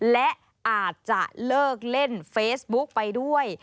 และอาจจะเลิกเล่นเฟซบุ๊กไปด้วย